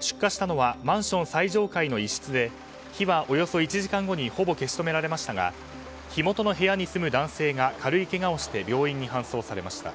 出火したのはマンション最上階の１室で火はおよそ１時間後にほぼ消し止められましたが火元の部屋に住む男性が軽いけがをして病院に搬送されました。